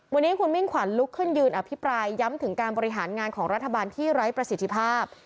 วันนี้คุณมิ่งขวัญลุกขึ้นยืนอภิปรายย้ำถึงการบริหารงานของรัฐบาลที่ไร้ประสิทธิภาพ